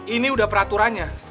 ini udah peraturannya